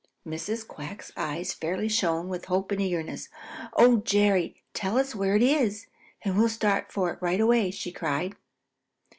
Mrs. Quack's eyes fairly shone with hope and eagerness. "Oh, Jerry, tell us where it is, and we'll start for it right away!" she cried.